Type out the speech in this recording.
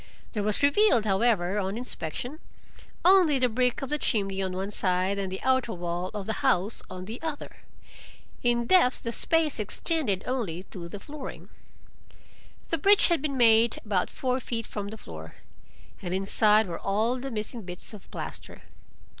There was revealed, however, on inspection, only the brick of the chimney on one side and the outer wall of the house on the other; in depth the space extended only to the flooring. The breach had been made about four feet from the floor, and inside were all the missing bits of plaster.